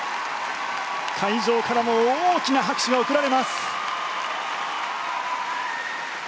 会場からも大きな拍手が送られます。